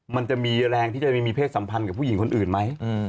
มันจะมีแรงที่จะไปมีเพศสัมพันธ์กับผู้หญิงคนอื่นไหม